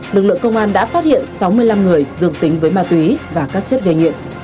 lực lượng công an đã phát hiện sáu mươi năm người dương tính với ma túy và các chất gây nghiện